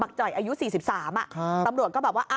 บักจ่อยอายุ๔๓อะตำรวจก็บอกว่า